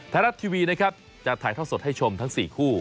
ไทยรัฐทีวีนะครับจะถ่ายท่อสดให้ชมทั้ง๔คู่